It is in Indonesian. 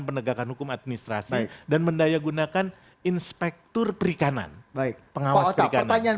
penegakan hukum administrasi dan mendayagunakan inspektur perikanan baik pengawas perikanan